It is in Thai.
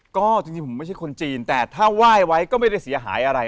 ก็จริงผมไม่ใช่คนจีนแต่ถ้าไหว้ไว้ก็ไม่ได้เสียหายอะไร